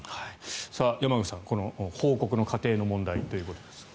山口さんこの報告の過程の問題ですが。